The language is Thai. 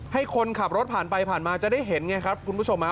ให้คนขับรถผ่านไปผ่านมาจะได้เห็นไงครับคุณผู้ชมฮะ